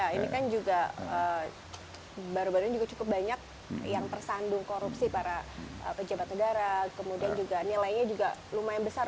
kemudian juga nilainya juga lumayan besar yang merugikan negara begitu